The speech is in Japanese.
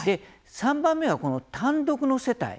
３番目はこの単独の世帯